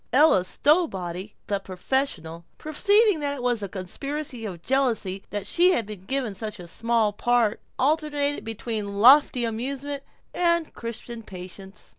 Ella Stowbody, the professional, perceiving that it was because of a conspiracy of jealousy that she had been given a small part, alternated between lofty amusement and Christian patience.